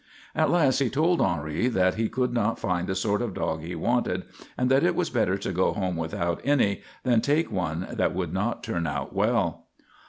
At last he told Henri that he could not find the sort of dog he wanted and that it was better to go home without any than take one that would not turn out well.